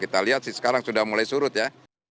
kita lihat sekarang sudah mulai surut ya